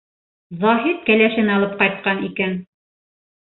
— Заһит кәләшен алып ҡайтҡан икән.